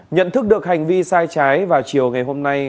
nhận thức được hành vi sai trái vào chiều ngày hôm nay